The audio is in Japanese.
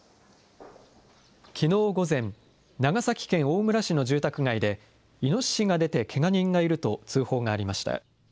きのう午前、長崎県大村市の住宅街で、イノシシが出てけが人がいると通報がありました。